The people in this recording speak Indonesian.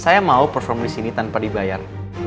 saya mau perform disini tanpa dibayar